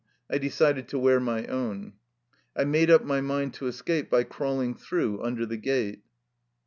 I decided to wear my own. I made up my mind to escape by crawl ing through under the gate.